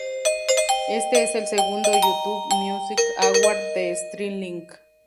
Este es el segundo YouTube Music Award de Stirling.